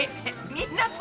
みんな空。